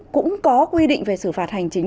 cũng có quy định về xử phạt hành chính